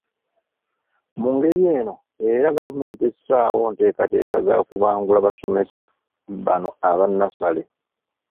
Mu ngeri eno era gavumenti tessaawo nteekateeka za kubangula basomesa bano aba nnassale.